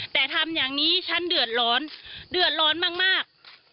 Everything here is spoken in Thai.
แต่ทำอย่างนี้ฉันเดือดร้อนเดือดร้อนมาก